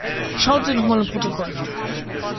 Schauen Sie noch mal im Protokoll nach.